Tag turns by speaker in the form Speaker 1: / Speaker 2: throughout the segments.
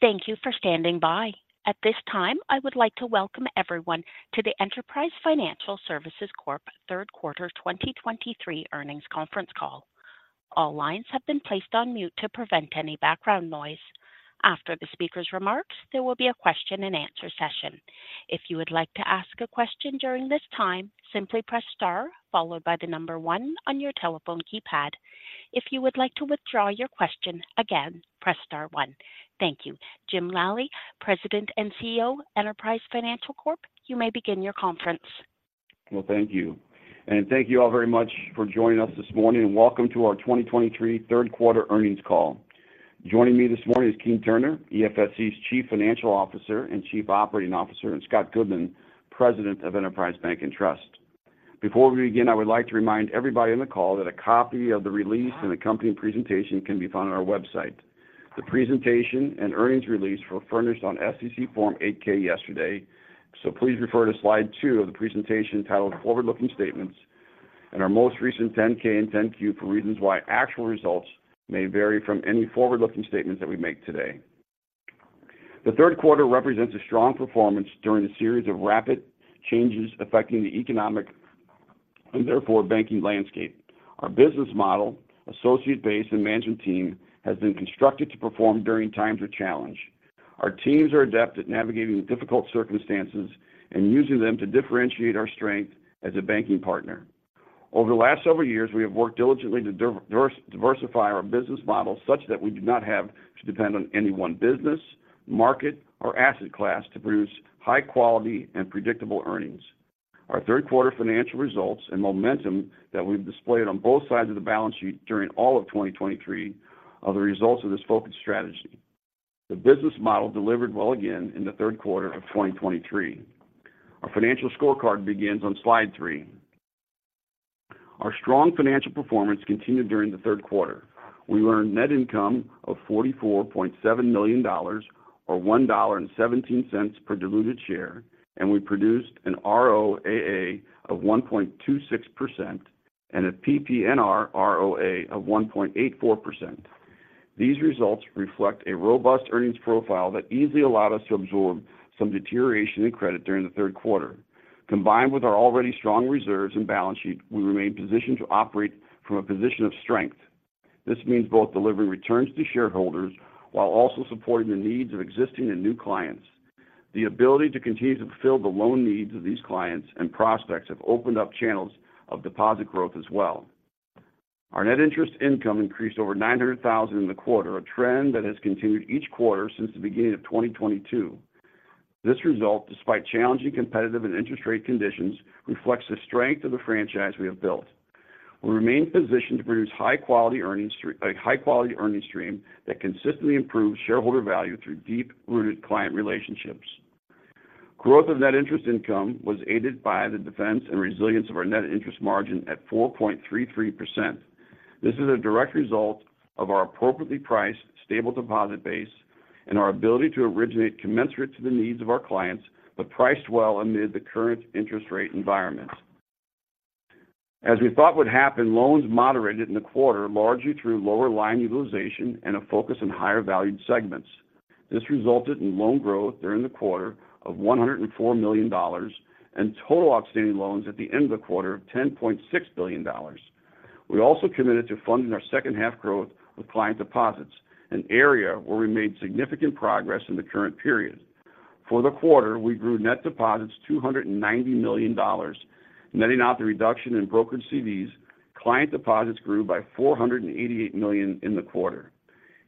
Speaker 1: Thank you for standing by. At this time, I would like to welcome everyone to the Enterprise Financial Services Corp Q3 2023 Earnings Conference Call. All lines have been placed on mute to prevent any background noise. After the speaker's remarks, there will be a question and answer session. If you would like to ask a question during this time, simply press star followed by the number one on your telephone keypad. If you would like to withdraw your question again, press star one. Thank you. Jim Lally, President and CEO, Enterprise Financial Services Corp, you may begin your conference.
Speaker 2: Well, thank you. Thank you all very much for joining us this morning, and welcome to our 2023 Q3 Earnings Call. Joining me this morning is Keene Turner, EFSC's Chief Financial Officer and Chief Operating Officer, and Scott Goodman, President of Enterprise Bank & Trust. Before we begin, I would like to remind everybody on the call that a copy of the release and accompanying presentation can be found on our website. The presentation and earnings release were furnished on SEC Form 8-K yesterday, so please refer to Slide 2 of the presentation titled Forward-Looking Statements and our most recent 10-K and 10-Q for reasons why actual results may vary from any forward-looking statements that we make today. The Q3 represents a strong performance during a series of rapid changes affecting the economic and therefore banking landscape. Our business model, associate base, and management team has been constructed to perform during times of challenge. Our teams are adept at navigating difficult circumstances and using them to differentiate our strength as a banking partner. Over the last several years, we have worked diligently to diversify our business model such that we do not have to depend on any one business, market, or asset class to produce high quality and predictable earnings. Our Q3 financial results and momentum that we've displayed on both sides of the balance sheet during all of 2023 are the results of this focused strategy. The business model delivered well again in the Q3 of 2023. Our financial scorecard begins on Slide 3. Our strong financial performance continued during the Q3. We earned net income of $44.7 million or $1.17 per diluted share, and we produced an ROAA of 1.26% and a PPNR ROA of 1.84%. These results reflect a robust earnings profile that easily allowed us to absorb some deterioration in credit during the Q3. Combined with our already strong reserves and balance sheet, we remain positioned to operate from a position of strength. This means both delivering returns to shareholders while also supporting the needs of existing and new clients. The ability to continue to fulfill the loan needs of these clients and prospects have opened up channels of deposit growth as well. Our net interest income increased over $900,000 in the quarter, a trend that has continued each quarter since the beginning of 2022. This result, despite challenging competitive and interest rate conditions, reflects the strength of the franchise we have built. We remain positioned to produce high quality earnings stream, a high quality earnings stream that consistently improves shareholder value through deep-rooted client relationships. Growth of net interest income was aided by the defense and resilience of our net interest margin at 4.33%. This is a direct result of our appropriately priced, stable deposit base and our ability to originate commensurate to the needs of our clients, but priced well amid the current interest rate environment. As we thought would happen, loans moderated in the quarter, largely through lower line utilization and a focus on higher valued segments. This resulted in loan growth during the quarter of $104 million and total outstanding loans at the end of the quarter of $10.6 billion. We also committed to funding our second half growth with client deposits, an area where we made significant progress in the current period. For the quarter, we grew net deposits $290 million, netting out the reduction in brokered CDs. Client deposits grew by $488 million in the quarter.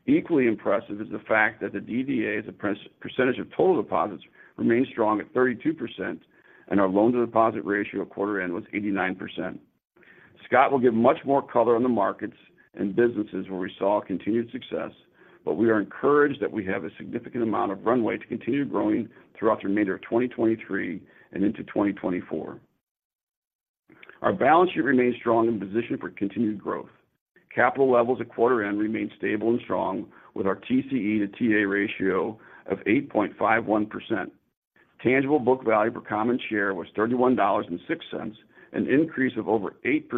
Speaker 2: Equally impressive is the fact that the DDA as a percentage of total deposits remained strong at 32%, and our loan to deposit ratio at quarter end was 89%. Scott will give much more color on the markets and businesses where we saw continued success, but we are encouraged that we have a significant amount of runway to continue growing throughout the remainder of 2023 and into 2024. Our balance sheet remains strong and positioned for continued growth. Capital levels at quarter end remain stable and strong, with our TCE to TA ratio of 8.51%. Tangible book value per common share was $31.06, an increase of over 8%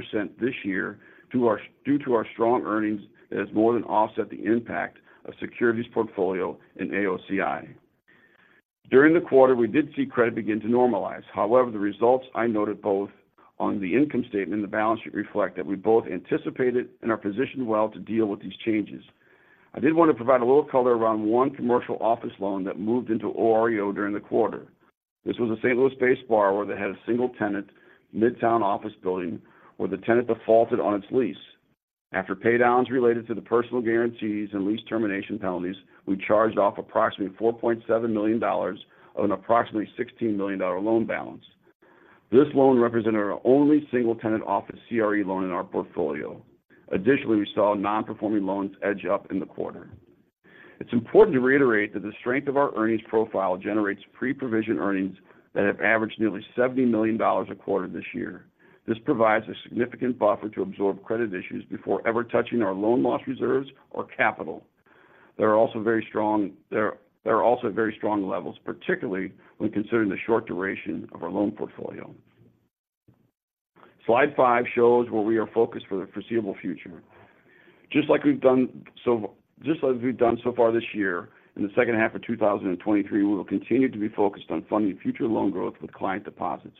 Speaker 2: this year due to our strong earnings that has more than offset the impact of securities portfolio in AOCI. During the quarter, we did see credit begin to normalize. However, the results I noted both on the income statement and the balance sheet reflect that we both anticipated and are positioned well to deal with these changes. I did want to provide a little color around one commercial office loan that moved into OREO during the quarter. This was a St. Louis-based borrower that had a single tenant, Midtown office building, where the tenant defaulted on its lease. After paydowns related to the personal guarantees and lease termination penalties, we charged off approximately $4.7 million on approximately $16 million loan balance. This loan represented our only single tenant office CRE loan in our portfolio. Additionally, we saw non-performing loans edge up in the quarter. It's important to reiterate that the strength of our earnings profile generates pre-provision earnings that have averaged nearly $70 million a quarter this year. This provides a significant buffer to absorb credit issues before ever touching our loan loss reserves or capital. They are also very strong. They are also at very strong levels, particularly when considering the short duration of our loan portfolio. Slide 5 shows where we are focused for the foreseeable future. Just like we've done so, just like we've done so far this year, in the second half of 2023, we will continue to be focused on funding future loan growth with client deposits.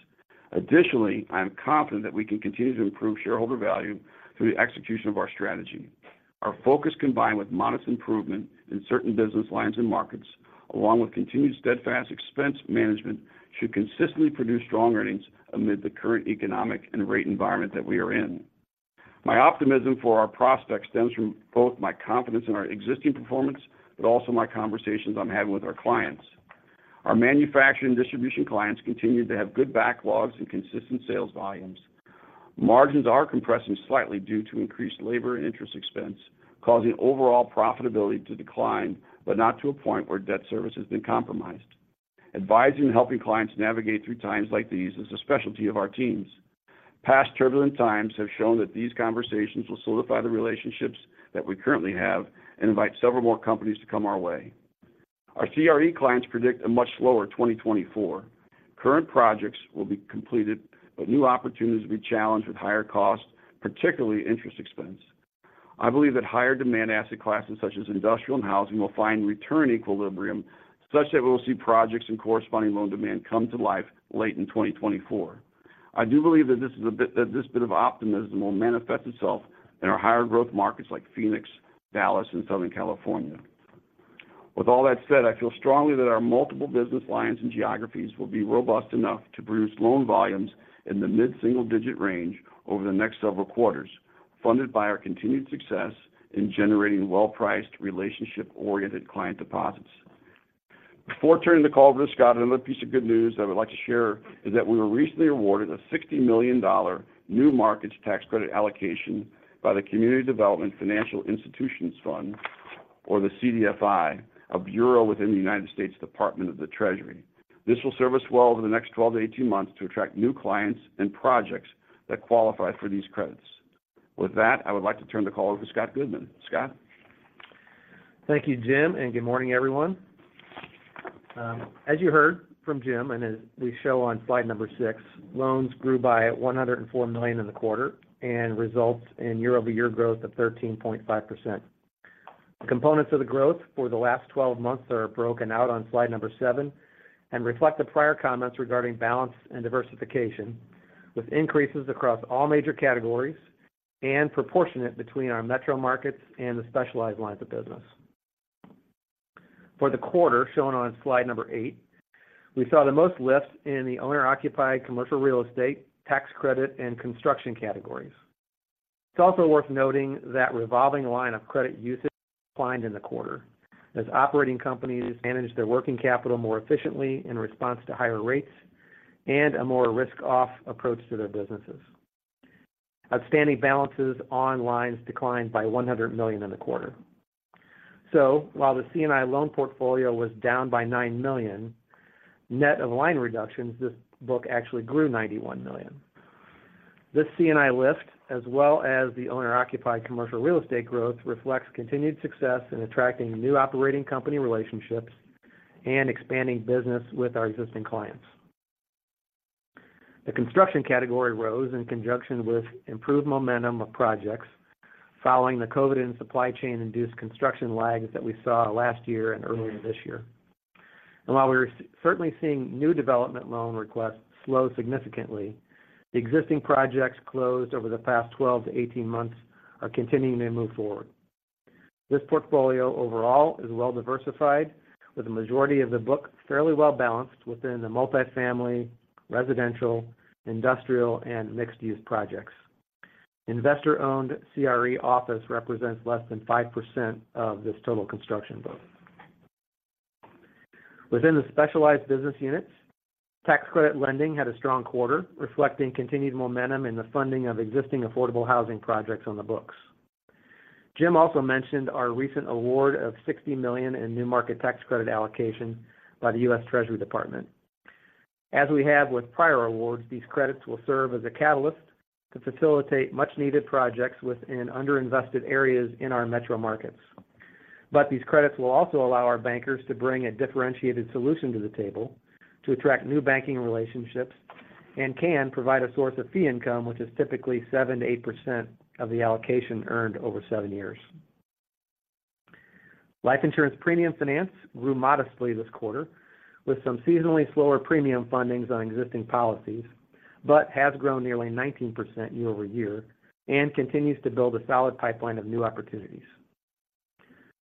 Speaker 2: Additionally, I'm confident that we can continue to improve shareholder value through the execution of our strategy. Our focus, combined with modest improvement in certain business lines and markets, along with continued steadfast expense management, should consistently produce strong earnings amid the current economic and rate environment that we are in. My optimism for our prospects stems from both my confidence in our existing performance, but also my conversations I'm having with our clients. Our manufacturing and distribution clients continued to have good backlogs and consistent sales volumes. Margins are compressing slightly due to increased labor and interest expense, causing overall profitability to decline, but not to a point where debt service has been compromised. Advising and helping clients navigate through times like these is a specialty of our teams. Past turbulent times have shown that these conversations will solidify the relationships that we currently have and invite several more companies to come our way. Our CRE clients predict a much lower 2024. Current projects will be completed, but new opportunities will be challenged with higher costs, particularly interest expense. I believe that higher demand asset classes, such as industrial and housing, will find return equilibrium, such that we'll see projects and corresponding loan demand come to life late in 2024. I do believe that this bit of optimism will manifest itself in our higher growth markets like Phoenix, Dallas, and Southern California. With all that said, I feel strongly that our multiple business lines and geographies will be robust enough to produce loan volumes in the mid-single digit range over the next several quarters, funded by our continued success in generating well-priced, relationship-oriented client deposits. Before turning the call over to Scott, another piece of good news that I would like to share is that we were recently awarded a $60 million New Markets Tax Credit allocation by the Community Development Financial Institutions Fund, or the CDFI, a bureau within the United States Department of the Treasury. This will serve us well over the next 12 to 18 months to attract new clients and projects that qualify for these credits. With that, I would like to turn the call over to Scott Goodman. Scott?
Speaker 3: Thank you, Jim, and good morning, everyone. As you heard from Jim, and as we show on Slide 6, loans grew by $104 million in the quarter and results in year-over-year growth of 13.5%. Components of the growth for the last 12 months are broken out on Slide 7 and reflect the prior comments regarding balance and diversification, with increases across all major categories and proportionate between our metro markets and the specialized lines of business. For the quarter, shown on Slide 8, we saw the most lift in the owner-occupied commercial real estate, tax credit, and construction categories. It's also worth noting that revolving line of credit usage declined in the quarter, as operating companies managed their working capital more efficiently in response to higher rates and a more risk-off approach to their businesses. Outstanding balances on lines declined by $100 million in the quarter. So while the C&I loan portfolio was down by $9 million, net of line reductions, this book actually grew $91 million. This C&I lift, as well as the owner-occupied commercial real estate growth, reflects continued success in attracting new operating company relationships and expanding business with our existing clients. The construction category rose in conjunction with improved momentum of projects following the COVID and supply chain-induced construction lags that we saw last year and earlier this year. While we're certainly seeing new development loan requests slow significantly, the existing projects closed over the past 12 to 18 months are continuing to move forward. This portfolio overall is well-diversified, with the majority of the book fairly well-balanced within the multifamily, residential, industrial, and mixed-use projects. Investor-owned OREO office represents less than 5% of this total construction book. Within the specialized business units, tax credit lending had a strong quarter, reflecting continued momentum in the funding of existing affordable housing projects on the books. Jim also mentioned our recent award of $60 million in New Markets Tax Credit allocation by the U.S. Treasury Department. As we have with prior awards, these credits will serve as a catalyst to facilitate much-needed projects within underinvested areas in our metro markets. But these credits will also allow our bankers to bring a differentiated solution to the table to attract new banking relationships, and can provide a source of fee income, which is typically 7%-8% of the allocation earned over 7 years. Life insurance premium finance grew modestly this quarter, with some seasonally slower premium fundings on existing policies, but has grown nearly 19% year-over-year and continues to build a solid pipeline of new opportunities.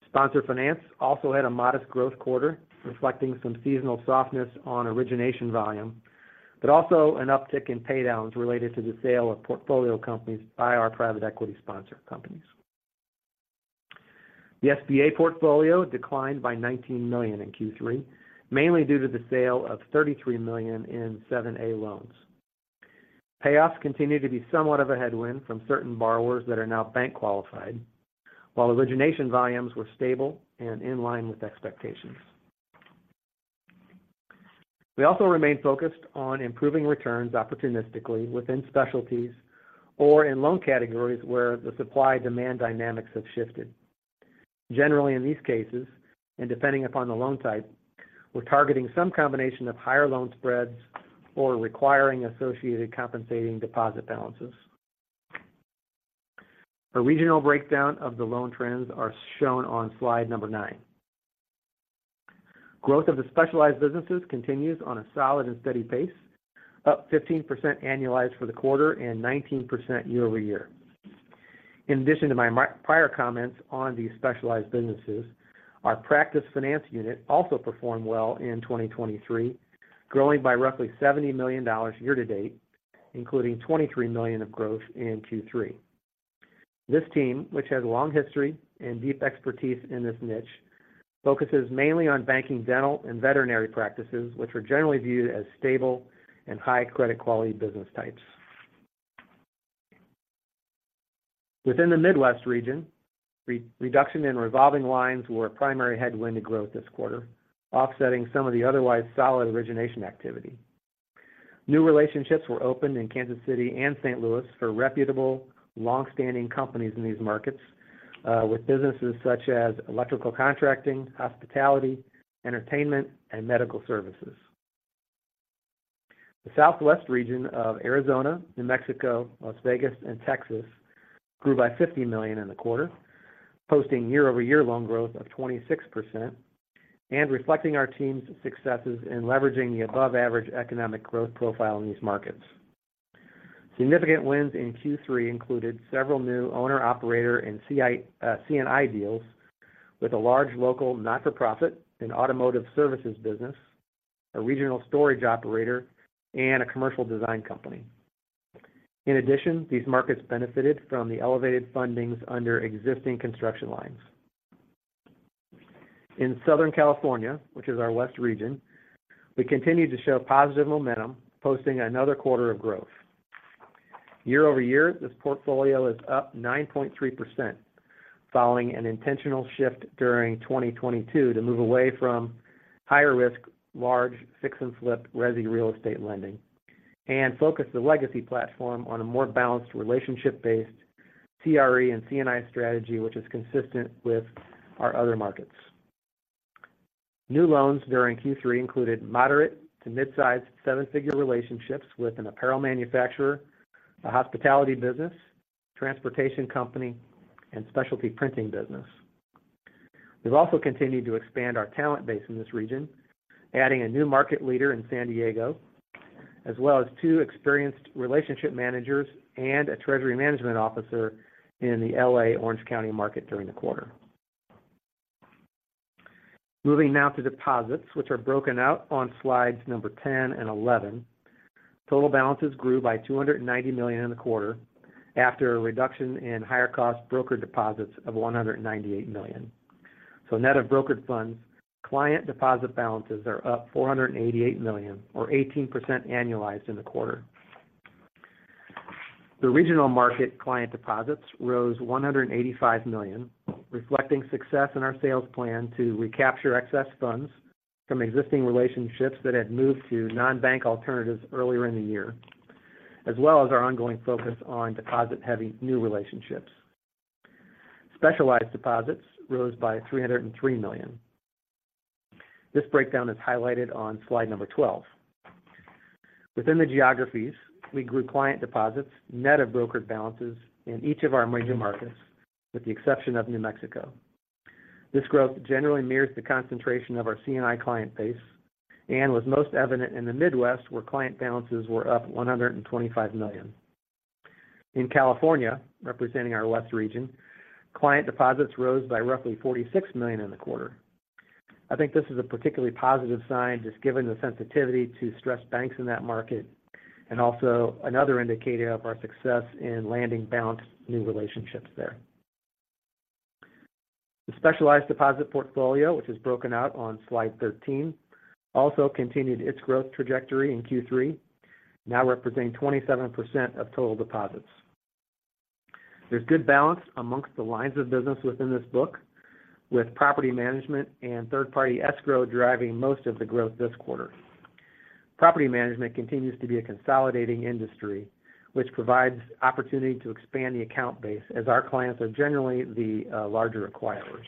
Speaker 3: Sponsor finance also had a modest growth quarter, reflecting some seasonal softness on origination volume, but also an uptick in paydowns related to the sale of portfolio companies by our private equity sponsor companies. The SBA portfolio declined by $19 million in Q3, mainly due to the sale of $33 million in 7(a) loans. Payoffs continued to be somewhat of a headwind from certain borrowers that are now bank-qualified, while origination volumes were stable and in line with expectations. We also remain focused on improving returns opportunistically within specialties or in loan categories where the supply-demand dynamics have shifted.... Generally, in these cases, and depending upon the loan type, we're targeting some combination of higher loan spreads or requiring associated compensating deposit balances. A regional breakdown of the loan trends are shown on Slide 9. Growth of the specialized businesses continues on a solid and steady pace, up 15% annualized for the quarter and 19% year-over-year. In addition to my prior comments on these specialized businesses, our practice finance unit also performed well in 2023, growing by roughly $70 million year to date, including $23 million of growth in Q3. This team, which has a long history and deep expertise in this niche, focuses mainly on banking, dental, and veterinary practices, which are generally viewed as stable and high credit quality business types. Within the Midwest region, reduction in revolving lines were a primary headwind to growth this quarter, offsetting some of the otherwise solid origination activity. New relationships were opened in Kansas City and St. Louis for reputable, long-standing companies in these markets with businesses such as electrical contracting, hospitality, entertainment, and medical services. The Southwest region of Arizona, New Mexico, Las Vegas, and Texas grew by $50 million in the quarter, posting year-over-year loan growth of 26% and reflecting our team's successes in leveraging the above-average economic growth profile in these markets. Significant wins in Q3 included several new owner, operator, and C&I deals with a large local not-for-profit and automotive services business, a regional storage operator, and a commercial design company. In addition, these markets benefited from the elevated fundings under existing construction lines. In Southern California, which is our West region, we continued to show positive momentum, posting another quarter of growth. Year-over-year, this portfolio is up 9.3%, following an intentional shift during 2022 to move away from higher risk, large fix and flip resi real estate lending, and focus the legacy platform on a more balanced, relationship-based CRE and C&I strategy, which is consistent with our other markets. New loans during Q3 included moderate to mid-size, seven-figure relationships with an apparel manufacturer, a hospitality business, transportation company, and specialty printing business. We've also continued to expand our talent base in this region, adding a new market leader in San Diego, as well as two experienced relationship managers and a treasury management officer in the L.A. Orange County market during the quarter. Moving now to deposits, which are broken out on Slides 10 and 11. Total balances grew by $290 million in the quarter after a reduction in higher cost brokered deposits of $198 million. So net of brokered funds, client deposit balances are up $488 million, or 18% annualized in the quarter. The regional market client deposits rose $185 million, reflecting success in our sales plan to recapture excess funds from existing relationships that had moved to non-bank alternatives earlier in the year, as well as our ongoing focus on deposit-heavy new relationships. Specialized deposits rose by $303 million. This breakdown is highlighted on Slide 12. Within the geographies, we grew client deposits net of brokered balances in each of our major markets, with the exception of New Mexico. This growth generally mirrors the concentration of our C&I client base and was most evident in the Midwest, where client balances were up $125 million. In California, representing our West region, client deposits rose by roughly $46 million in the quarter. I think this is a particularly positive sign, just given the sensitivity to stressed banks in that market, and also another indicator of our success in landing balanced new relationships there. The specialized deposit portfolio, which is broken out on Slide 13, also continued its growth trajectory in Q3, now representing 27% of total deposits. There's good balance amongst the lines of business within this book, with property management and third-party escrow driving most of the growth this quarter. Property management continues to be a consolidating industry, which provides opportunity to expand the account base, as our clients are generally the larger acquirers.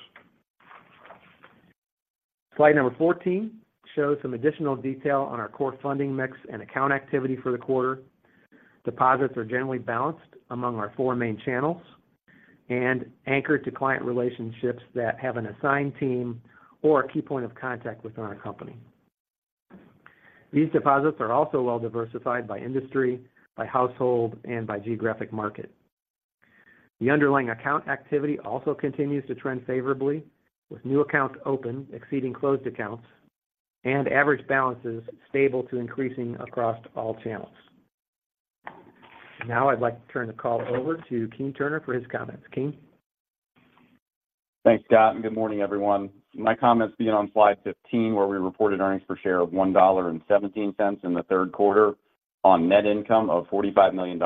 Speaker 3: Slide 14 shows some additional detail on our core funding mix and account activity for the quarter. Deposits are generally balanced among our four main channels and anchored to client relationships that have an assigned team or a key point of contact within our company. These deposits are also well diversified by industry, by household, and by geographic market. The underlying account activity also continues to trend favorably, with new accounts opened exceeding closed accounts, and average balances stable to increasing across all channels. Now I'd like to turn the call over to Keene Turner for his comments. Keene?
Speaker 4: Thanks, Scott, and good morning, everyone. My comments begin on Slide 15, where we reported earnings per share of $1.17 in the Q3 on net income of $45 million.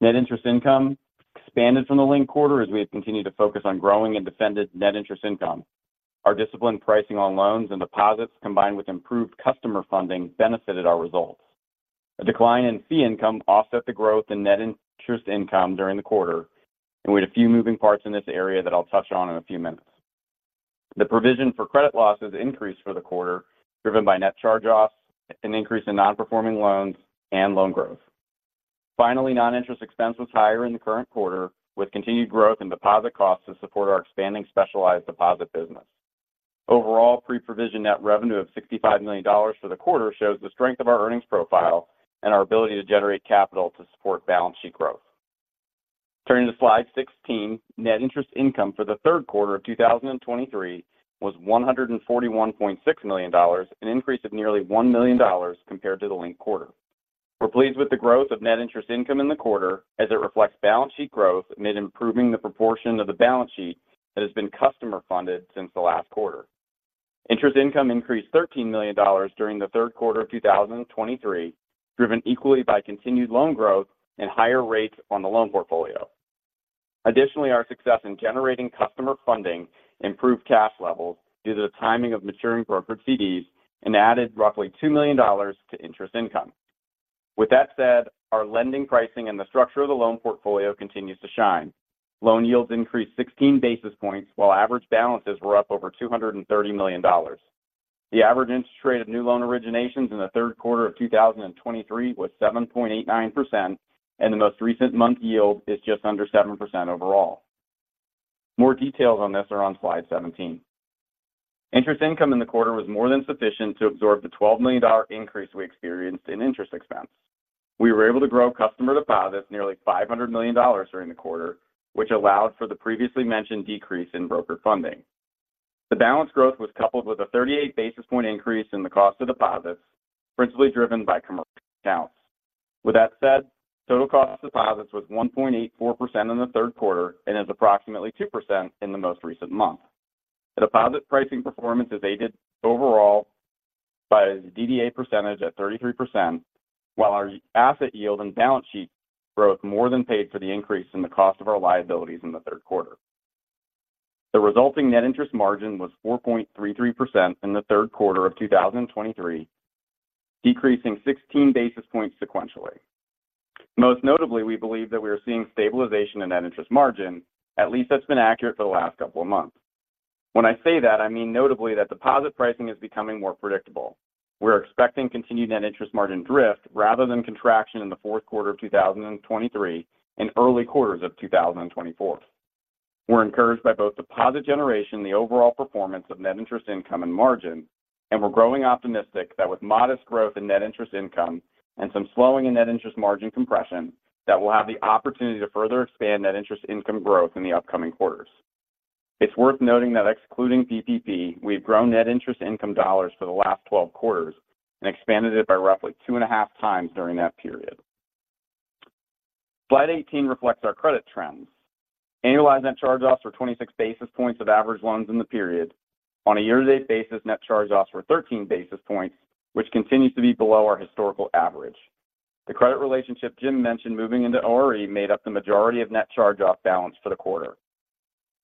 Speaker 4: Net interest income expanded from the linked quarter as we have continued to focus on growing and defended net interest income. Our disciplined pricing on loans and deposits, combined with improved customer funding, benefited our results.... A decline in fee income offset the growth in net interest income during the quarter, and we had a few moving parts in this area that I'll touch on in a few minutes. The provision for credit losses increased for the quarter, driven by net charge-offs, an increase in non-performing loans, and loan growth. Finally, non-interest expense was higher in the current quarter, with continued growth in deposit costs to support our expanding specialized deposit business. Overall, pre-provision net revenue of $65 million for the quarter shows the strength of our earnings profile and our ability to generate capital to support balance sheet growth. Turning to Slide 16, net interest income for the Q3 of 2023 was $141.6 million, an increase of nearly $1 million compared to the linked quarter. We're pleased with the growth of net interest income in the quarter as it reflects balance sheet growth amid improving the proportion of the balance sheet that has been customer-funded since the last quarter. Interest income increased $13 million during the Q3 of 2023, driven equally by continued loan growth and higher rates on the loan portfolio. Additionally, our success in generating customer funding improved cash levels due to the timing of maturing brokered CDs and added roughly $2 million to interest income. With that said, our lending pricing and the structure of the loan portfolio continues to shine. Loan yields increased 16 basis points, while average balances were up over $230 million. The average interest rate of new loan originations in the Q3 of 2023 was 7.89%, and the most recent month yield is just under 7% overall. More details on this are on Slide 17. Interest income in the quarter was more than sufficient to absorb the $12 million increase we experienced in interest expense. We were able to grow customer deposits nearly $500 million during the quarter, which allowed for the previously mentioned decrease in brokered funding. The balance growth was coupled with a 38 basis point increase in the cost of deposits, principally driven by commercial accounts. With that said, total cost of deposits was 1.84% in the Q3 and is approximately 2% in the most recent month. The deposit pricing performance is aided overall by DDA percentage at 33%, while our asset yield and balance sheet growth more than paid for the increase in the cost of our liabilities in the Q3. The resulting net interest margin was 4.33% in the Q3 of 2023, decreasing 16 basis points sequentially. Most notably, we believe that we are seeing stabilization in net interest margin. At least that's been accurate for the last couple of months. When I say that, I mean notably that deposit pricing is becoming more predictable. We're expecting continued net interest margin drift rather than contraction in the Q4 of 2023 and early quarters of 2024. We're encouraged by both deposit generation and the overall performance of net interest income and margin, and we're growing optimistic that with modest growth in net interest income and some slowing in net interest margin compression, that we'll have the opportunity to further expand net interest income growth in the upcoming quarters. It's worth noting that excluding PPP, we've grown net interest income dollars for the last 12 quarters and expanded it by roughly 2.5 times during that period. Slide 18 reflects our credit trends. Annualized net charge-offs were 26 basis points of average loans in the period. On a year-to-date basis, net charge-offs were 13 basis points, which continues to be below our historical average. The credit relationship Jim mentioned moving into OREO made up the majority of net charge-off balance for the quarter.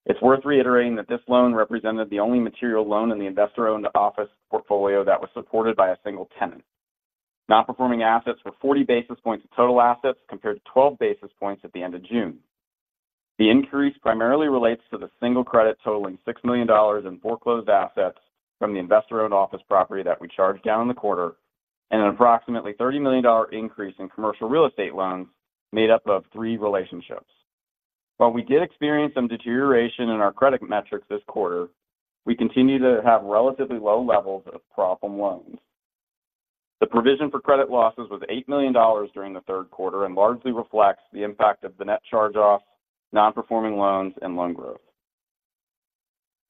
Speaker 4: It's worth reiterating that this loan represented the only material loan in the investor-owned office portfolio that was supported by a single tenant. Non-performing assets were 40 basis points of total assets, compared to 12 basis points at the end of June. The increase primarily relates to the single credit totaling $6 million in foreclosed assets from the investor-owned office property that we charged down in the quarter, and an approximately $30 million increase in commercial real estate loans made up of three relationships. While we did experience some deterioration in our credit metrics this quarter, we continue to have relatively low levels of problem loans. The provision for credit losses was $8 million during the Q3 and largely reflects the impact of the net charge-offs, non-performing loans, and loan growth.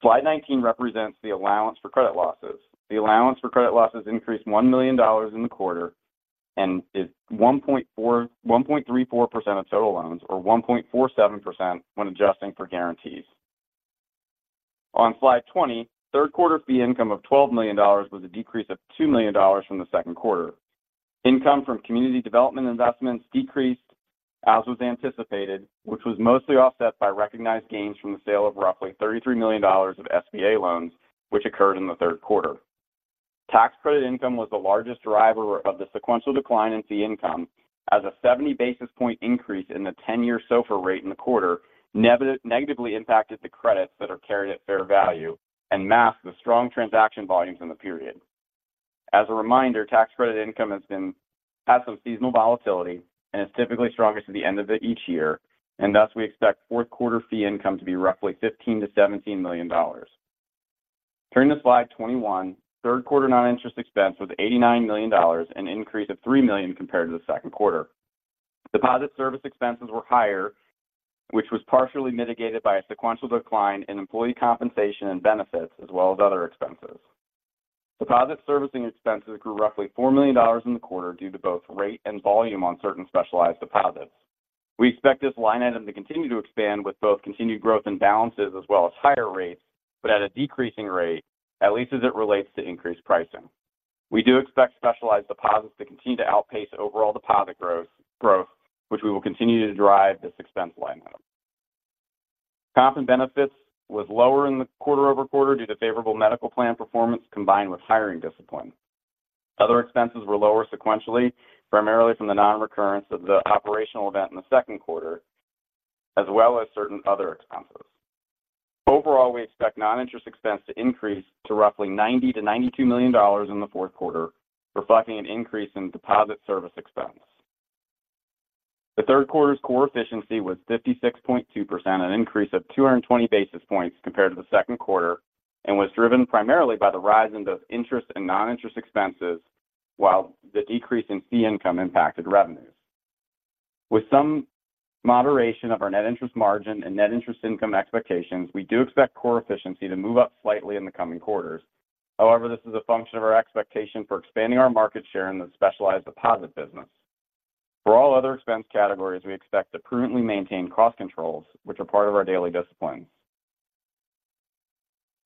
Speaker 4: Slide 19 represents the allowance for credit losses. The allowance for credit losses increased $1 million in the quarter and is 1.34% of total loans, or 1.47% when adjusting for guarantees. On Slide 20, Q3 fee income of $12 million was a decrease of $2 million from the Q2. Income from community development investments decreased, as was anticipated, which was mostly offset by recognized gains from the sale of roughly $33 million of SBA loans, which occurred in the Q3. Tax credit income was the largest driver of the sequential decline in fee income, as a 70 basis point increase in the ten-year SOFR rate in the quarter negatively impacted the credits that are carried at fair value and masked the strong transaction volumes in the period. As a reminder, tax credit income has some seasonal volatility and is typically strongest at the end of each year, and thus, we expect Q4 fee income to be roughly $15 million-$17 million. Turning to Slide 21, Q3 non-interest expense was $89 million, an increase of $3 million compared to the Q2. Deposit service expenses were higher, which was partially mitigated by a sequential decline in employee compensation and benefits, as well as other expenses. Deposit servicing expenses grew roughly $4 million in the quarter due to both rate and volume on certain specialized deposits. We expect this line item to continue to expand with both continued growth and balances, as well as higher rates, but at a decreasing rate, at least as it relates to increased pricing. We do expect specialized deposits to continue to outpace overall deposit growth, which we will continue to drive this expense line item. Comp and benefits was lower in the quarter-over-quarter due to favorable medical plan performance combined with hiring discipline. Other expenses were lower sequentially, primarily from the non-recurrence of the operational event in the Q2, as well as certain other expenses. Overall, we expect non-interest expense to increase to roughly $90-$92 million in the Q4, reflecting an increase in deposit service expense. The Q3 core efficiency was 56.2%, an increase of 220 basis points compared to the Q2, and was driven primarily by the rise in both interest and non-interest expenses, while the decrease in fee income impacted revenues. With some moderation of our net interest margin and net interest income expectations, we do expect core efficiency to move up slightly in the coming quarters. However, this is a function of our expectation for expanding our market share in the specialized deposit business. For all other expense categories, we expect to prudently maintain cost controls, which are part of our daily disciplines.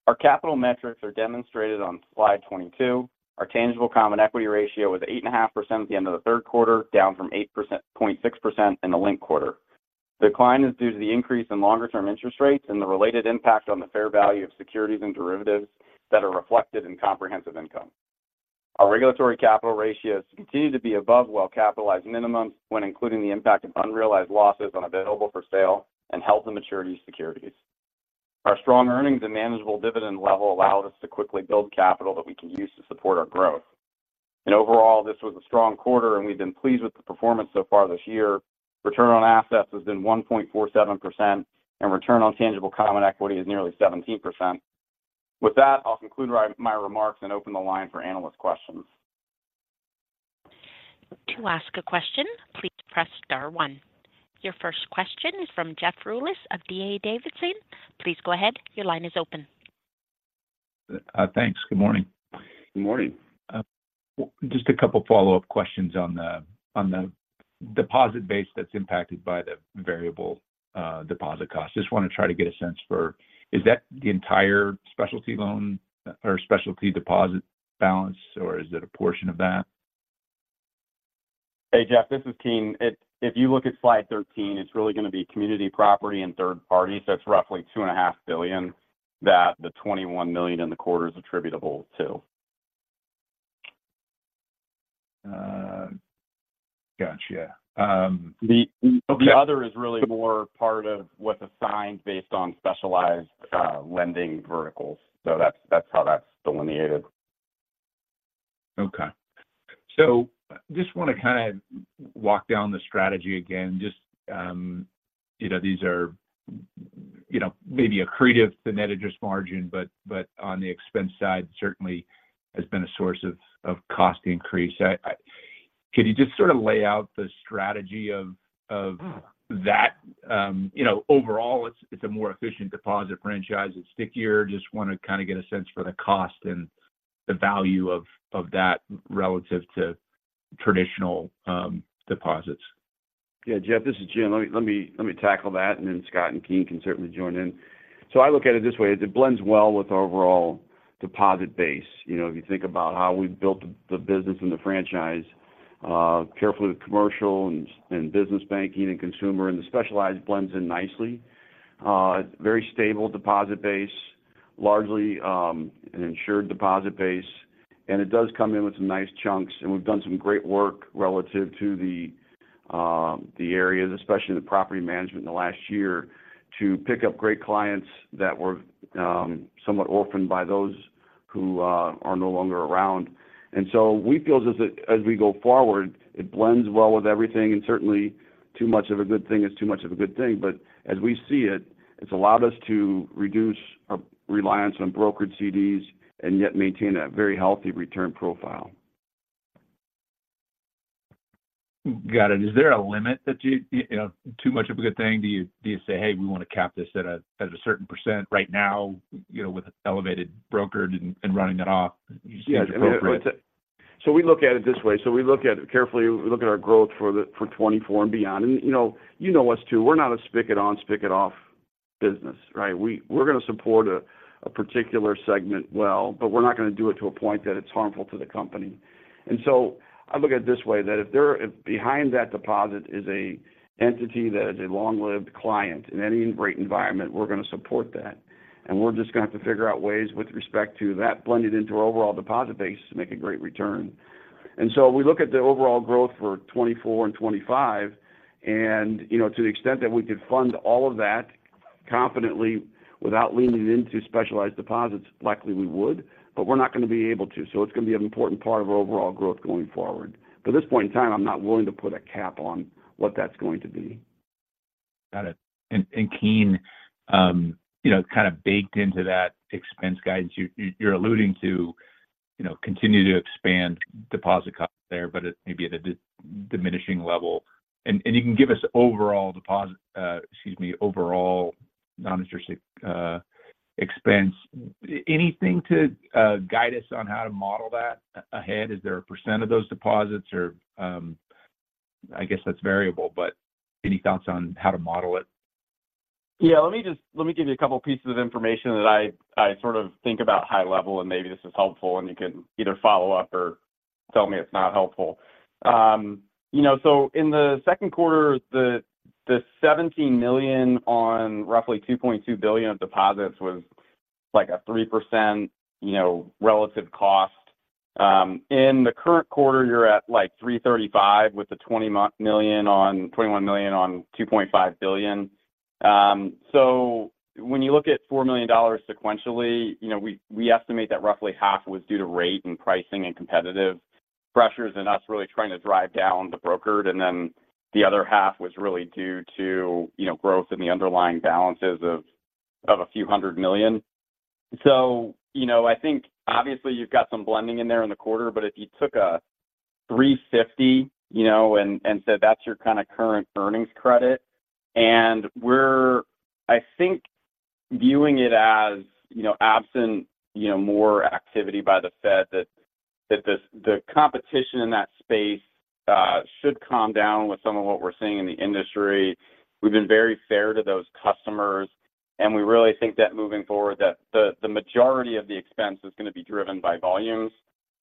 Speaker 4: Our capital metrics are demonstrated on Slide 22. Our tangible common equity ratio was 8.5% at the end of the Q3 down from 8.6% in the linked quarter. The decline is due to the increase in longer-term interest rates and the related impact on the fair value of securities and derivatives that are reflected in comprehensive income. Our regulatory capital ratios continue to be above well-capitalized minimums when including the impact of unrealized losses on available for sale and held to maturity securities. Our strong earnings and manageable dividend level allow us to quickly build capital that we can use to support our growth. Overall, this was a strong quarter, and we've been pleased with the performance so far this year. Return on assets has been 1.47%, and return on tangible common equity is nearly 17%. With that, I'll conclude my remarks and open the line for analyst questions.
Speaker 1: To ask a question, please press star one. Your first question is from Jeff Rulis of D.A. Davidson. Please go ahead. Your line is open.
Speaker 5: Thanks. Good morning.
Speaker 4: Good morning.
Speaker 5: Just a couple follow-up questions on the, on the deposit base that's impacted by the variable, deposit cost. Just want to try to get a sense for, is that the entire specialty loan or specialty deposit balance, or is it a portion of that?
Speaker 4: Hey, Jeff, this is Keene. If you look at Slide 13, it's really going to be Community, Property and third party. So that's roughly $2.5 billion that the $21 million in the quarter is attributable to.
Speaker 5: Gotcha.
Speaker 4: The other is really more part of what's assigned based on specialized, lending verticals. So that's, that's how that's delineated.
Speaker 5: Okay. So just want to kind of walk down the strategy again. Just, you know, these are, you know, maybe accretive to net interest margin, but on the expense side, certainly has been a source of cost increase. I can you just sort of lay out the strategy of that? You know, overall, it's a more efficient deposit franchise. It's stickier. Just want to kind of get a sense for the cost and the value of that relative to traditional deposits.
Speaker 2: Yeah, Jeff, this is Jim. Let me tackle that, and then Scott and Keene can certainly join in. So I look at it this way, it blends well with our overall deposit base. You know, if you think about how we built the business and the franchise carefully with commercial and business banking and consumer, and the specialized blends in nicely. It's very stable deposit base, largely an insured deposit base, and it does come in with some nice chunks, and we've done some great work relative to the areas, especially in the property management in the last year, to pick up great clients that were somewhat orphaned by those who are no longer around. And so we feel as if, as we go forward, it blends well with everything, and certainly too much of a good thing is too much of a good thing. But as we see it, it's allowed us to reduce our reliance on brokered CDs and yet maintain a very healthy return profile.
Speaker 5: Got it. Is there a limit that you know, too much of a good thing? Do you say, "Hey, we want to cap this at a certain percent right now," you know, with an elevated brokered and running it off seems appropriate?
Speaker 2: So we look at it this way. So we look at it carefully. We look at our growth for 2024 and beyond. And, you know, you know us too. We're not a spigot on, spigot off business, right? We're going to support a particular segment well, but we're not going to do it to a point that it's harmful to the company. And so I look at it this way, that if there—if behind that deposit is an entity that is a long-lived client in any rate environment, we're going to support that, and we're just going to have to figure out ways with respect to that, blended into our overall deposit base, to make a great return. And so we look at the overall growth for 2024 and 2025, and, you know, to the extent that we could fund all of that confidently without leaning into specialized deposits, likely we would, but we're not going to be able to. So it's going to be an important part of our overall growth going forward. But at this point in time, I'm not willing to put a cap on what that's going to be.
Speaker 5: Got it. Keene, you know, kind of baked into that expense guide, you're alluding to, you know, continue to expand deposit cost there, but it may be at a diminishing level. And you can give us overall deposit, excuse me, overall non-interest expense. Anything to guide us on how to model that ahead? Is there a percent of those deposits or... I guess that's variable, but any thoughts on how to model it?
Speaker 4: Yeah, let me just let me give you a couple pieces of information that I sort of think about high level, and maybe this is helpful, and you can either follow up or tell me it's not helpful. You know, so in the second quarter, the $17 million on roughly $2.2 billion of deposits was like a 3%, you know, relative cost. In the current quarter, you're at like 3.35% with the $21 million on $2.5 billion. So when you look at $4 million sequentially, you know, we estimate that roughly half was due to rate and pricing and competitive pressures, and us really trying to drive down the brokered. And then the other half was really due to, you know, growth in the underlying balances of a few hundred million. So, you know, I think obviously you've got some blending in there in the quarter, but if you took a 3.50, you know, and said that's your kind of current earnings credit. And we're, I think, viewing it as, you know, absent, you know, more activity by the Fed, that the competition in that space should calm down with some of what we're seeing in the industry. We've been very fair to those customers, and we really think that moving forward, that the majority of the expense is going to be driven by volumes.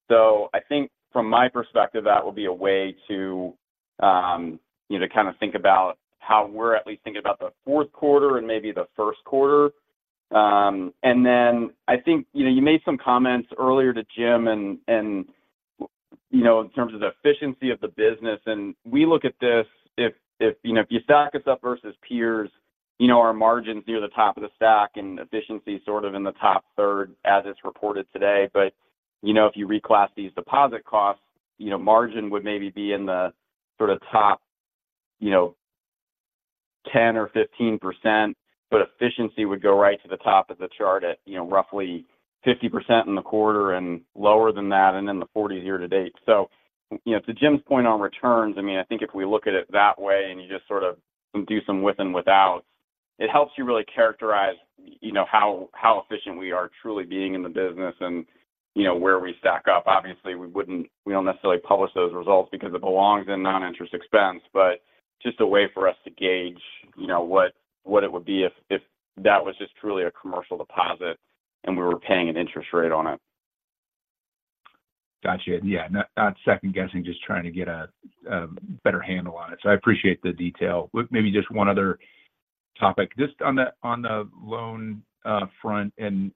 Speaker 4: So I think from my perspective, that will be a way to, you know, kind of think about how we're at least thinking about the Q4 and maybe the Q1. And then I think, you know, you made some comments earlier to Jim and you know, in terms of the efficiency of the business, and we look at this, you know, if you stack us up versus peers, you know, our margins near the top of the stack and efficiency sort of in the top third as it's reported today. But, you know, if you reclass these deposit costs, you know, margin would maybe be in the sort of top, you know, 10 or 15%, but efficiency would go right to the top of the chart at, you know, roughly 50% in the quarter and lower than that, and then the 40% year-to-date. So, you know, to Jim's point on returns, I mean, I think if we look at it that way and you just sort of do some with and without, it helps you really characterize, you know, how efficient we are truly being in the business and, you know, where we stack up. Obviously, we wouldn't, we don't necessarily publish those results because it belongs in non-interest expense, but just a way for us to gauge, you know, what it would be if that was just truly a commercial deposit and we were paying an interest rate on it.
Speaker 5: Gotcha. Yeah. Not, not second guessing, just trying to get a better handle on it. So I appreciate the detail. Well, maybe just one other topic. Just on the loan front, and,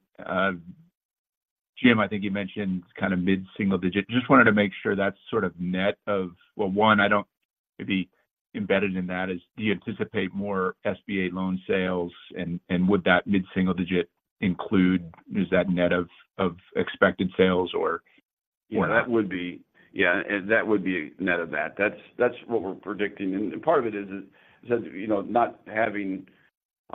Speaker 5: Jim, I think you mentioned kind of mid-single digit. Just wanted to make sure that's sort of net of... Well, one, I don't maybe embedded in that is, do you anticipate more SBA loan sales? And would that mid-single digit include, is that net of expected sales or what not?
Speaker 2: Yeah, that would be... Yeah, and that would be net of that. That's what we're predicting. And part of it is, you know, not having a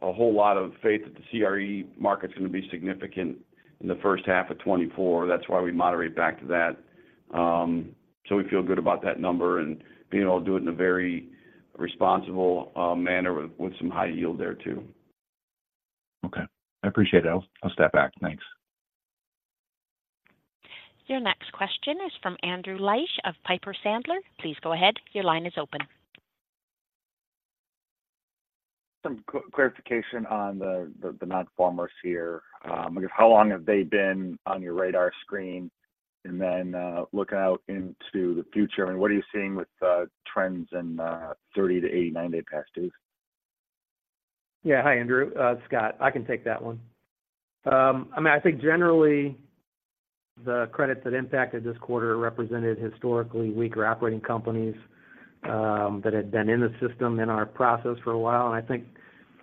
Speaker 2: whole lot of faith that the CRE market's going to be significant in the first half of 2024. That's why we moderate back to that. So we feel good about that number and being able to do it in a very responsible manner with some high yield there, too.
Speaker 5: Okay. I appreciate it. I'll step back. Thanks.
Speaker 1: Your next question is from Andrew Liesch of Piper Sandler. Please go ahead. Your line is open.
Speaker 6: Some clarification on the nonperformers here. How long have they been on your radar screen? And then, looking out into the future, I mean, what are you seeing with trends in 30 to 80, 90 past dues?
Speaker 3: Yeah. Hi, Andrew. Scott, I can take that one. I mean, I think generally the credits that impacted this quarter represented historically weaker operating companies that had been in the system, in our process for a while. And I think,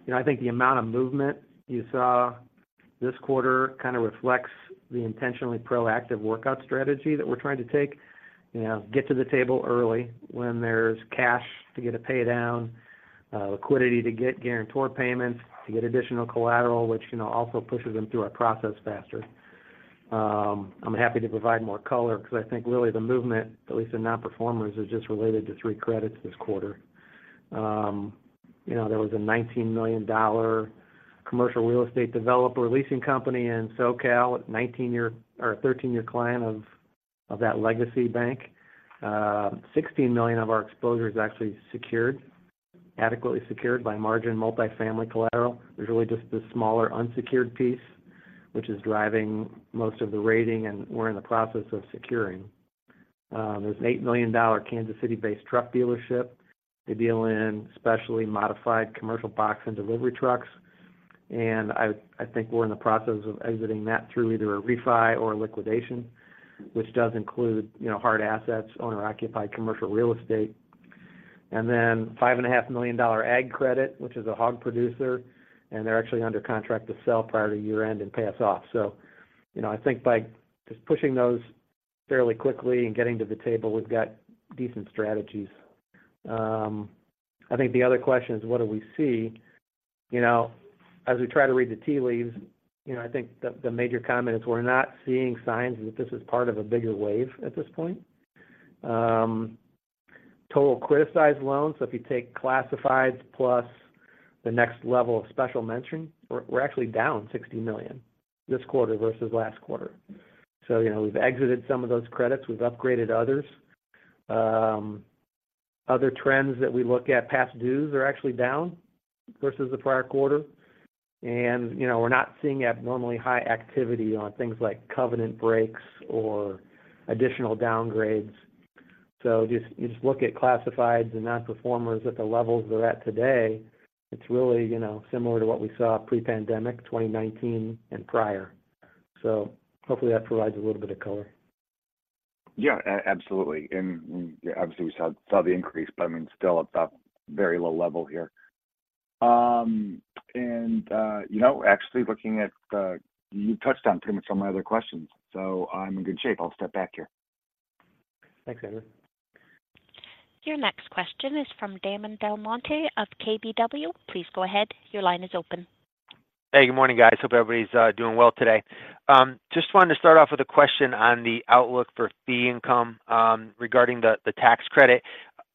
Speaker 3: you know, I think the amount of movement you saw this quarter kind of reflects the intentionally proactive workout strategy that we're trying to take. You know, get to the table early when there's cash to get a pay down, liquidity to get guarantor payments, to get additional collateral, which, you know, also pushes them through our process faster. I'm happy to provide more color because I think really the movement, at least in nonperformers, is just related to three credits this quarter. You know, there was a $19 million commercial real estate developer, leasing company in SoCal, 19-year or a 13-year client of, of that legacy bank. Sixteen million of our exposure is actually secured, adequately secured by garden multifamily collateral. There's really just this smaller unsecured piece, which is driving most of the rating, and we're in the process of securing. There's an $8 million Kansas City-based truck dealership. They deal in specially modified commercial box and delivery trucks, and I, I think we're in the process of exiting that through either a refi or a liquidation, which does include, you know, hard assets, owner-occupied commercial real estate. And then $5.5 million ag credit, which is a hog producer, and they're actually under contract to sell prior to year-end and pay us off. You know, I think by just pushing those fairly quickly and getting to the table, we've got decent strategies. I think the other question is: What do we see? You know, as we try to read the tea leaves, you know, I think the major comment is we're not seeing signs that this is part of a bigger wave at this point. Total criticized loans, so if you take classifieds plus the next level of special mentoring, we're actually down $60 million this quarter versus last quarter. You know, we've exited some of those credits, we've upgraded others. Other trends that we look at, past dues are actually down versus the prior quarter. You know, we're not seeing abnormally high activity on things like covenant breaks or additional downgrades. So just, you just look at classifieds and non-performers at the levels they're at today, it's really, you know, similar to what we saw pre-pandemic, 2019 and prior. So hopefully that provides a little bit of color.
Speaker 6: Yeah, absolutely. And obviously, we saw the increase, but I mean, still at that very low level here. And you know, actually looking at, you touched on pretty much all my other questions, so I'm in good shape. I'll step back here.
Speaker 3: Thanks, Andrew.
Speaker 1: Your next question is from Damon DelMonte of KBW. Please go ahead. Your line is open.
Speaker 7: Hey, good morning, guys. Hope everybody's doing well today. Just wanted to start off with a question on the outlook for fee income regarding the tax credit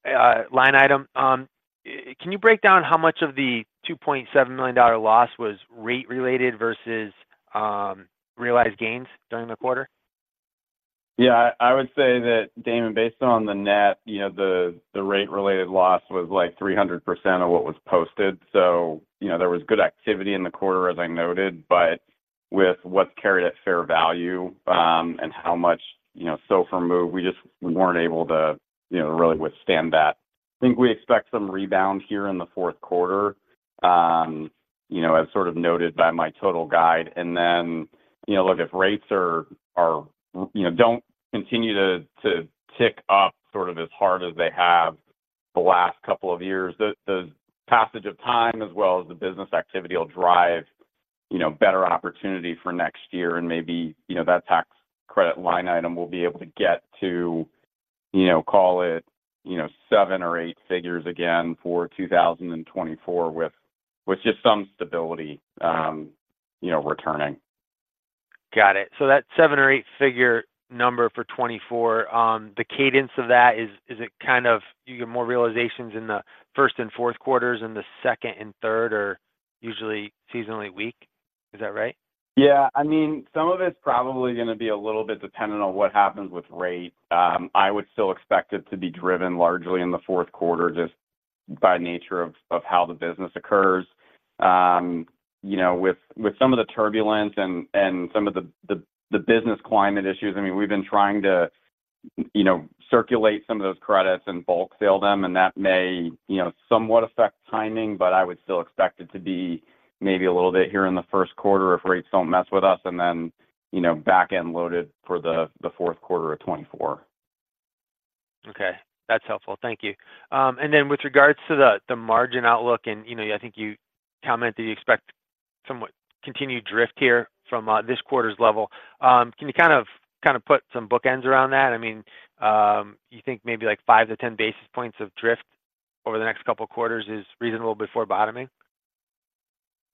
Speaker 7: line item. Can you break down how much of the $2.7 million loss was rate related versus realized gains during the quarter?
Speaker 4: Yeah, I would say that, Damon, based on the net, you know, the rate-related loss was, like, 300% of what was posted. So, you know, there was good activity in the quarter, as I noted, but with what's carried at fair value, and how much, you know, SOFR moved, we just weren't able to, you know, really withstand that. I think we expect some rebound here in the Q4, you know, as sort of noted by my total guide. And then, you know, look, if rates are... you know, don't continue to tick up sort of as hard as they have the last couple of years, the passage of time, as well as the business activity, will drive, you know, better opportunity for next year. Maybe, you know, that tax credit line item will be able to get to, you know, call it, you know, seven or eight figures again for 2024, with just some stability, you know, returning.
Speaker 7: Got it. So that 7- or 8-figure number for 2024, the cadence of that is, is it kind of you get more realizations in the first and Q4, and the second and third are usually seasonally weak? Is that right?
Speaker 4: Yeah, I mean, some of it's probably going to be a little bit dependent on what happens with rate. I would still expect it to be driven largely in the Q4, just by nature of how the business occurs. You know, with some of the turbulence and some of the business climate issues, I mean, we've been trying to, you know, circulate some of those credits and bulk sale them, and that may, you know, somewhat affect timing, but I would still expect it to be maybe a little bit here in the Q1 if rates don't mess with us, and then, you know, back-end loaded for the Q4 of 2024.
Speaker 7: Okay, that's helpful. Thank you. And then with regards to the margin outlook, and, you know, I think you commented you expect somewhat continued drift here from this quarter's level. Can you kind of put some bookends around that? I mean, you think maybe, like, 5-10 basis points of drift over the next couple of quarters is reasonable before bottoming?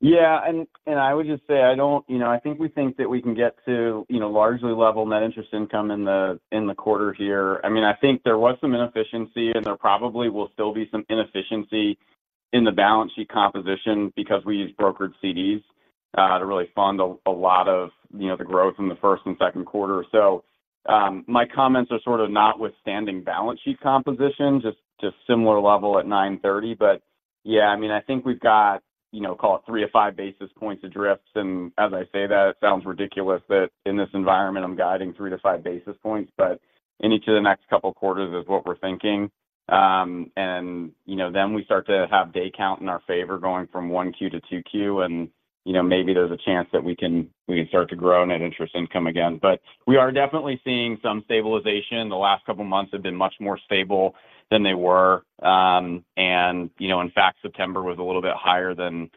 Speaker 4: Yeah, and I would just say I don't... you know, I think we think that we can get to, you know, largely level net interest income in the, in the quarter here. I mean, I think there was some inefficiency, and there probably will still be some inefficiency in the balance sheet composition because we use brokered CDs to really fund a lot of, you know, the growth in the first and Q2. My comments are sort of notwithstanding balance sheet composition, just similar level at 9/30. But yeah, I mean, I think we've got, you know, call it 3-5 basis points of drifts. And as I say, that it sounds ridiculous that in this environment, I'm guiding 3-5 basis points, but in each of the next couple of quarters is what we're thinking. And, you know, then we start to have day count in our favor, going from 1Q to 2Q, and, you know, maybe there's a chance that we can- we can start to grow net interest income again. But we are definitely seeing some stabilization. The last couple of months have been much more stable than they were. And, you know, in fact, September was a little bit higher than,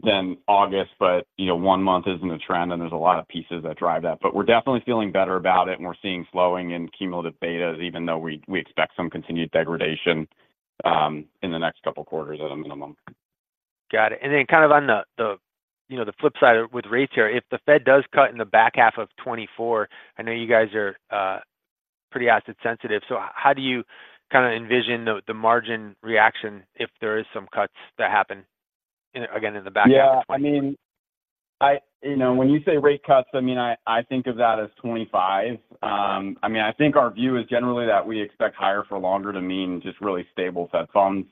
Speaker 4: than August, but, you know, one month isn't a trend, and there's a lot of pieces that drive that. But we're definitely feeling better about it, and we're seeing slowing in cumulative betas, even though we, we expect some continued degradation, in the next couple of quarters at a minimum.
Speaker 7: Got it. And then kind of on the, you know, the flip side with rates here, if the Fed does cut in the back half of 2024, I know you guys are pretty asset sensitive, so how do you kind of envision the margin reaction if there is some cuts that happen again in the back half of 2024?
Speaker 4: Yeah, I mean, you know, when you say rate cuts, I mean, I think of that as 25. I mean, I think our view is generally that we expect higher for longer to mean just really stable Fed funds,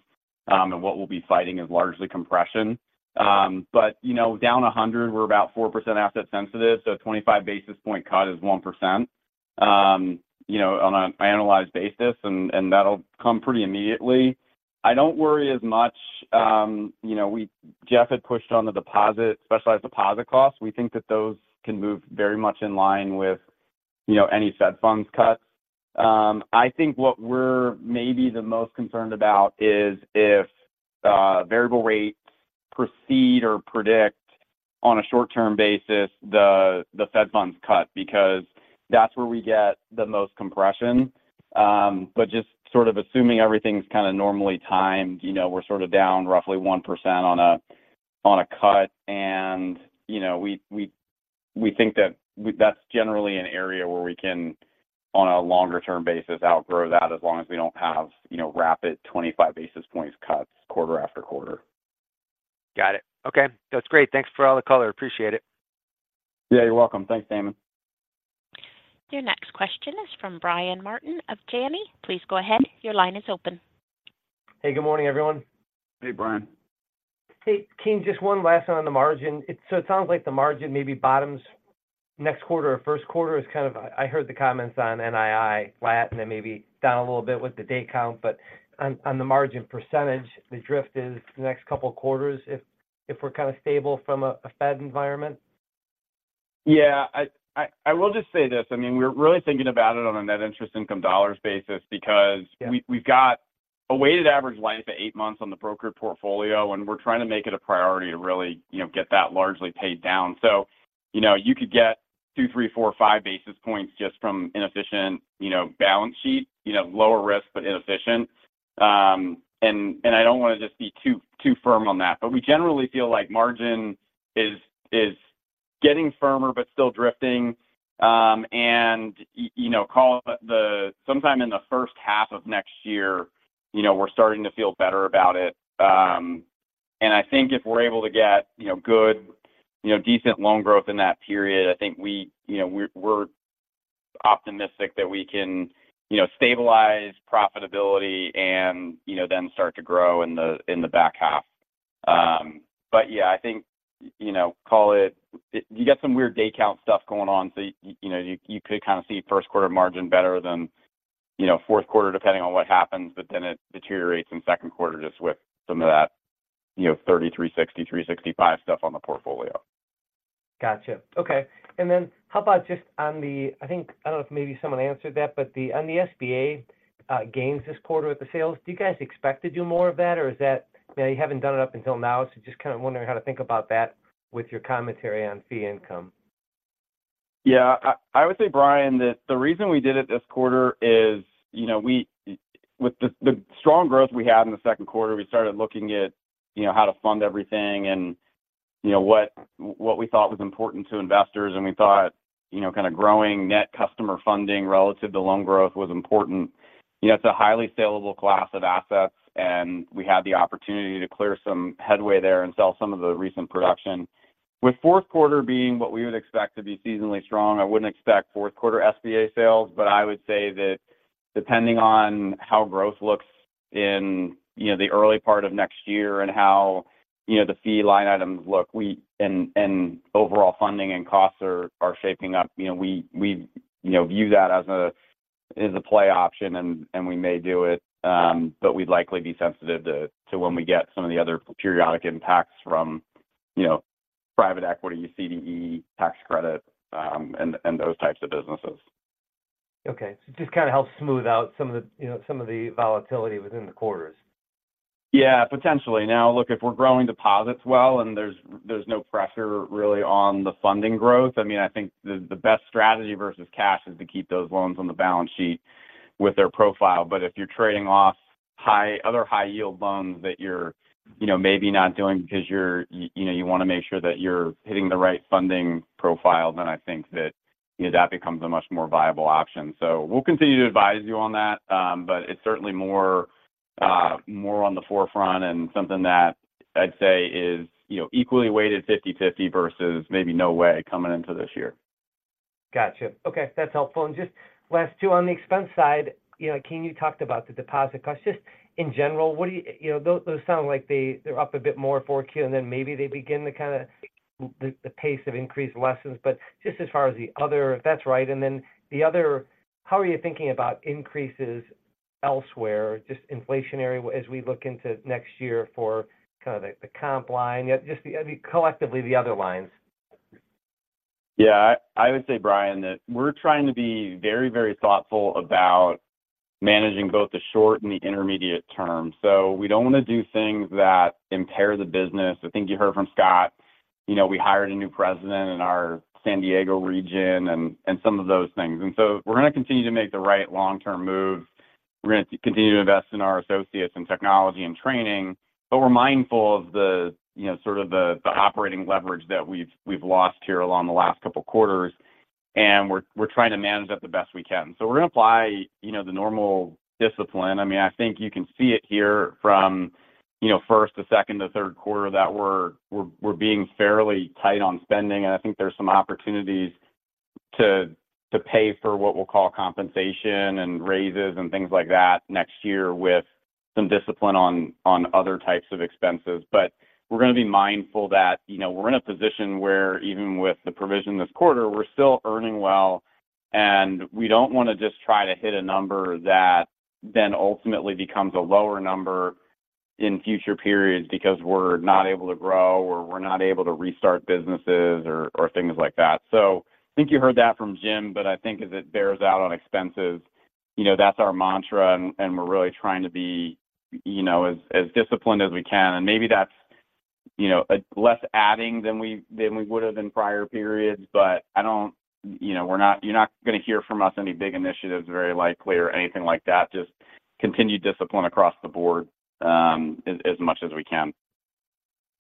Speaker 4: and what we'll be fighting is largely compression. But, you know, down 100, we're about 4% asset sensitive, so a 25 basis point cut is 1%, you know, on an annualized basis, and that'll come pretty immediately. I don't worry as much, you know, we, Jeff had pushed on the deposit, specialized deposit costs. We think that those can move very much in line with, you know, any Fed funds cuts. I think what we're maybe the most concerned about is if variable rates proceed or predict on a short-term basis, the Fed funds cut, because that's where we get the most compression. But just sort of assuming everything's kind of normally timed, you know, we're sort of down roughly 1% on a cut. And, you know, we think that that's generally an area where we can, on a longer-term basis, outgrow that as long as we don't have, you know, rapid 25 basis points cuts quarter after quarter.
Speaker 7: Got it. Okay, that's great. Thanks for all the color. Appreciate it.
Speaker 4: Yeah, you're welcome. Thanks, Damon.
Speaker 1: Your next question is from Brian Martin of Janney. Please go ahead. Your line is open.
Speaker 8: Hey, good morning, everyone.
Speaker 4: Hey, Brian.
Speaker 8: Hey, Keene, just one last one on the margin. So it sounds like the margin maybe bottoms next quarter or first quarter is kind of... I heard the comments on NII guidance and maybe down a little bit with the day count, but on, on the margin percentage, the drift is the next couple of quarters if, if we're kind of stable from a, a Fed environment?
Speaker 4: Yeah. I will just say this: I mean, we're really thinking about it on a net interest income dollar basis because we got a weighted average life of eight months on the brokered portfolio, and we're trying to make it a priority to really, you know, get that largely paid down. So, you know, you could get two, three, four, five basis points just from inefficient, you know, balance sheet, you know, lower risk, but inefficient. And I don't want to just be too firm on that, but we generally feel like margin is getting firmer but still drifting. And you know, call it sometime in the first half of next year, you know, we're starting to feel better about it. And I think if we're able to get, you know, good, you know, decent loan growth in that period, I think we're optimistic that we can, you know, stabilize profitability and, you know, then start to grow in the back half. But yeah, I think, you know, you got some weird day count stuff going on, so you know, you could kind of see first quarter margin better than, you know, Q4, depending on what happens, but then it deteriorates in Q2 just with some of that, you know, 30/360, 365 stuff on the portfolio.
Speaker 8: Gotcha. Okay. And then how about just on the... I think, I don't know if maybe someone answered that, but on the SBA gains this quarter with the sales, do you guys expect to do more of that, or is that, you know, you haven't done it up until now? So just kind of wondering how to think about that with your commentary on fee income.
Speaker 4: Yeah. I would say, Brian, that the reason we did it this quarter is, you know, with the strong growth we had in the Q2, we started looking at, you know, how to fund everything and, you know, what we thought was important to investors, and we thought, you know, kind of growing net customer funding relative to loan growth was important. You know, it's a highly salable class of assets, and we had the opportunity to clear some headway there and sell some of the recent production. With Q4 being what we would expect to be seasonally strong, I wouldn't expect Q4 SBA sales, but I would say that depending on how growth looks in, you know, the early part of next year and how, you know, the fee line items look, and overall funding and costs are shaping up, you know, we, you know, view that as a play option, and we may do it, but we'd likely be sensitive to when we get some of the other periodic impacts from, you know, private equity, CDE, tax credit, and those types of businesses.
Speaker 8: Okay. So just kind of helps smooth out some of the, you know, some of the volatility within the quarters.
Speaker 4: Yeah, potentially. Now, look, if we're growing deposits well, and there's no pressure really on the funding growth, I mean, I think the best strategy versus cash is to keep those loans on the balance sheet with their profile. But if you're trading off high- other high-yield loans that you're, you know, maybe not doing because you're you know, you want to make sure that you're hitting the right funding profile, then I think that, you know, that becomes a much more viable option. So we'll continue to advise you on that. But it's certainly more more on the forefront and something that I'd say is, you know, equally weighted 50/50 versus maybe no way coming into this year.
Speaker 8: Gotcha. Okay, that's helpful. And just last two, on the expense side, you know, Keene, you talked about the deposit costs. Just in general, what do you know, those sound like they're up a bit more 4Q, and then maybe they begin to kind of the pace of increase lessens. But just as far as the other, if that's right, and then the other, how are you thinking about increases elsewhere, just inflationary, as we look into next year for kind of the comp line, yet just the, I mean, collectively, the other lines?
Speaker 4: Yeah. I, I would say, Brian, that we're trying to be very, very thoughtful about managing both the short and the intermediate term. So we don't want to do things that impair the business. I think you heard from Scott, you know, we hired a new president in our San Diego region and, and some of those things. And so we're going to continue to make the right long-term move. We're going to continue to invest in our associates in technology and training, but we're mindful of the, you know, sort of the, the operating leverage that we've, we've lost here along the last couple of quarters, and we're, we're trying to manage that the best we can. So we're going to apply, you know, the normal discipline. I mean, I think you can see it here from, you know, first to second to Q3, that we're being fairly tight on spending, and I think there's some opportunities to pay for what we'll call compensation and raises and things like that next year with some discipline on other types of expenses. But we're going to be mindful that, you know, we're in a position where even with the provision this quarter, we're still earning well, and we don't want to just try to hit a number that then ultimately becomes a lower number in future periods because we're not able to grow or we're not able to restart businesses or things like that. So I think you heard that from Jim, but I think as it bears out on expenses, you know, that's our mantra, and we're really trying to be, you know, as disciplined as we can. And maybe that's, you know, less adding than we would have in prior periods, but I don't, you know, we're not, you're not going to hear from us any big initiatives, very likely, or anything like that. Just continued discipline across the board, as much as we can.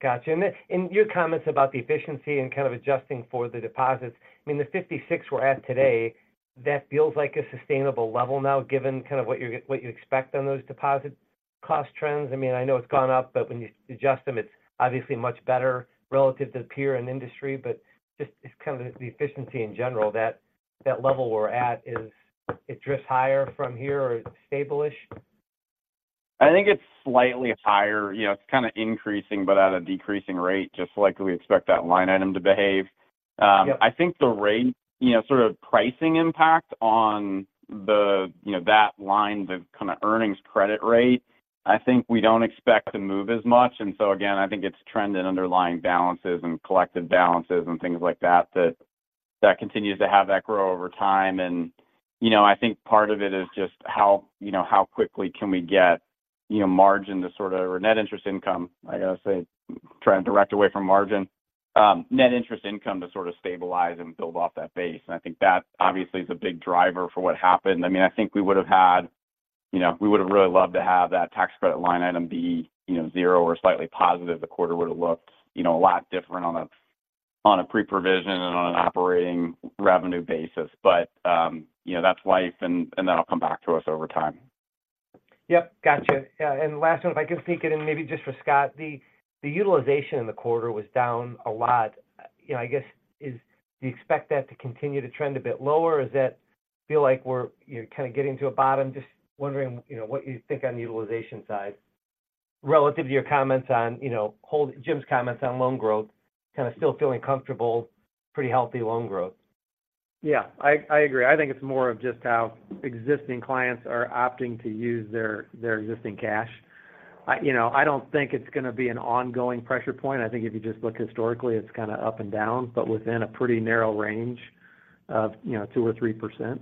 Speaker 8: Got you. And your comments about the efficiency and kind of adjusting for the deposits, I mean, the 56 we're at today, that feels like a sustainable level now, given kind of what you expect on those deposits... cost trends? I mean, I know it's gone up, but when you adjust them, it's obviously much better relative to the peer and industry. But just kind of the efficiency in general, that level we're at, is it just higher from here or is it stable-ish?
Speaker 4: I think it's slightly higher. You know, it's kind of increasing, but at a decreasing rate, just like we expect that line item to behave.
Speaker 8: Yep.
Speaker 4: I think the rate, you know, sort of pricing impact on the, you know, that line, the kind of earnings credit rate, I think we don't expect to move as much. And so again, I think it's trend in underlying balances and collective balances and things like that, that that continues to have that grow over time. And, you know, I think part of it is just how, you know, how quickly can we get, you know, margin to sort of, or net interest income, I got to say, try and direct away from margin. Net interest income to sort of stabilize and build off that base. And I think that obviously is a big driver for what happened. I mean, I think we would have had, you know, we would have really loved to have that tax credit line item be, you know, zero or slightly positive. The quarter would have looked, you know, a lot different on a, on a pre-provision and on an operating revenue basis. But, you know, that's life, and that'll come back to us over time.
Speaker 8: Yep, gotcha. Yeah, and last one, if I could sneak it in, maybe just for Scott. The utilization in the quarter was down a lot. You know, I guess, do you expect that to continue to trend a bit lower, or is that feel like we're, you're kind of getting to a bottom? Just wondering, you know, what you think on the utilization side, relative to your comments on, you know, Jim's comments on loan growth, kind of still feeling comfortable, pretty healthy loan growth.
Speaker 3: Yeah, I agree. I think it's more of just how existing clients are opting to use their existing cash. You know, I don't think it's going to be an ongoing pressure point. I think if you just look historically, it's kind of up and down, but within a pretty narrow range of, you know, 2 or 3%.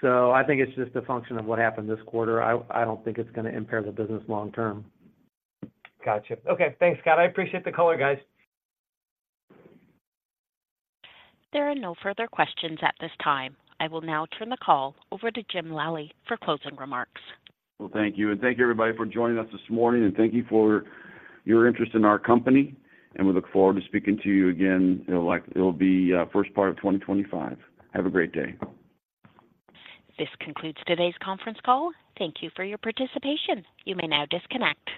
Speaker 3: So I think it's just a function of what happened this quarter. I don't think it's going to impair the business long term.
Speaker 8: Gotcha. Okay, thanks, Scott. I appreciate the color, guys.
Speaker 1: There are no further questions at this time. I will now turn the call over to Jim Lally for closing remarks.
Speaker 2: Well, thank you. And thank you, everybody, for joining us this morning, and thank you for your interest in our company, and we look forward to speaking to you again. It'll be first part of 2025. Have a great day.
Speaker 1: This concludes today's conference call. Thank you for your participation. You may now disconnect.